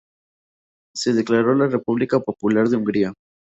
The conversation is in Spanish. Se declaró la República Popular de Hungría.